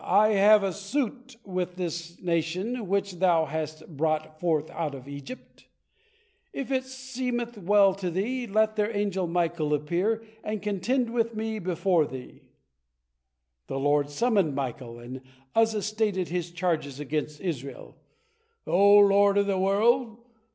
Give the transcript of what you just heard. I have a suit with this nation which Thou hast brought forth out to Egypt. If it seemeth well to Thee, let their angel Michael appear, and contend with me before Thee." The Lord summoned Michael, and Uzza stated his charges against Israel: "O Lord of the world!